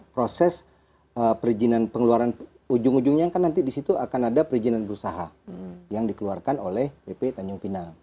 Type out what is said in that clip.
proses pengeluaran ujung ujungnya kan nanti di situ akan ada perizinan berusaha yang dikeluarkan oleh bp tanjung pinang